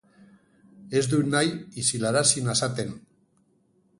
Ez dut nahi isilarazi nazaten.